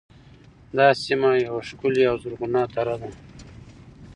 دا سیمه یوه ښکلې او زرغونه دره ده